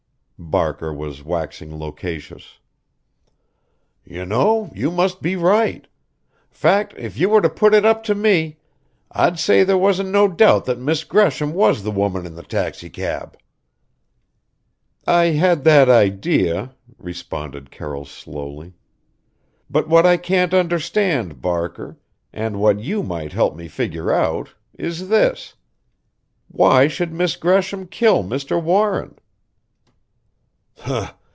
Barker was waxing loquacious. "You know, you must be right. Fact, if you put it right up to me, I'd say there wasn't no doubt that Miss Gresham was the woman in the taxicab." "I had that idea," responded Carroll slowly. "But what I can't understand, Barker, and what you might help me figure out, is this why should Miss Gresham kill Mr. Warren?"